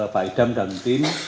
pak edam dan tim